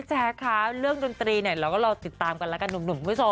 เสือกันแน่นอนครับ